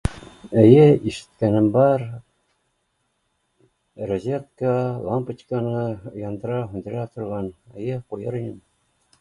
Эйе ишеткәнем бар, розетка, лампочканы яндыра һүндерә торған эйе ҡуйыр инем